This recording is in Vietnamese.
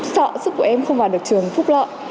sợ sức của em không vào được trường phúc lợi